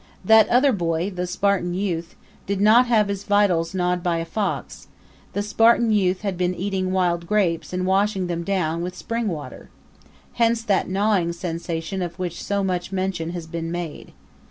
That other boy the Spartan youth did not have his vitals gnawed by a fox; the Spartan youth had been eating wild grapes and washing them down with spring water. Hence that gnawing sensation of which so much mention has been made.